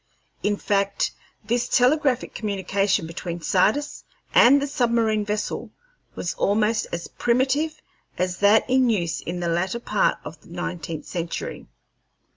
In fact, this telegraphic communication between Sardis and the submarine vessel was almost as primitive as that in use in the latter part of the nineteenth century.